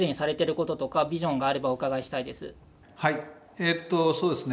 えっとそうですね。